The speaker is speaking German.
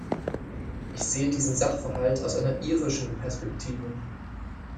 Ich sehe diesen Sachverhalt aus einer irischen Perspektive.